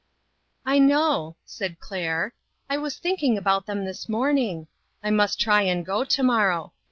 "I know," said Claire, "I was thinking about them this morning. I must try and go to morrow.